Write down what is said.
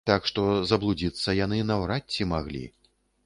Так што, заблудзіцца яны наўрад ці маглі.